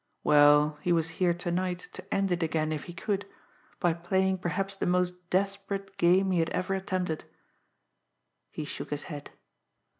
Well, he was here to night to end it again if he could by playing perhaps the most desperate game he had ever attempted. He shook his head.